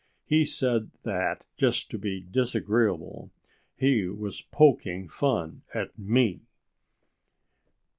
He said that just to be disagreeable. He was poking fun at me!"